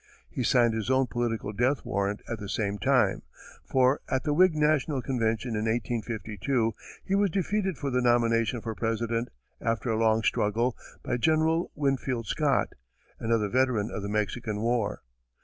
He signed his own political death warrant at the same time, for, at the Whig National Convention in 1852, he was defeated for the nomination for President, after a long struggle, by General Winfield Scott, another veteran of the Mexican war.